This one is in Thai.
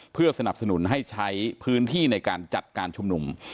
เพื่อสนับสนุนให้ใช้พื้นที่ในการจัดการชุมนุม